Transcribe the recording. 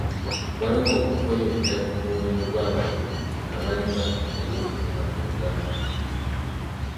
Waliwo okweyongera mu muwendo gw'abalimi abalima eby'okutunda mu Uganda.